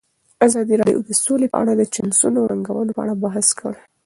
ازادي راډیو د سوله په اړه د چانسونو او ننګونو په اړه بحث کړی.